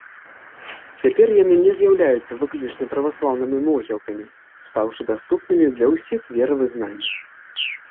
Цяпер яны не з'яўляюцца выключна праваслаўнымі могілкамі, стаўшы даступнымі для ўсіх веравызнанняў.